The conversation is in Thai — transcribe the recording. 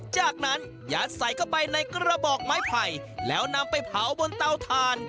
จากนั้นยัดใส่เข้าไปในกระบอกไม้ไผ่แล้วนำไปเผาบนเตาถ่าน